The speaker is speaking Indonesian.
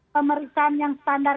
pemeriksaan yang standar